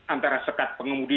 antara sekat pengemudi